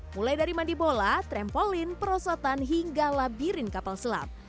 mulai dari mandi bola trampolin perosotan hingga labirin kapal selam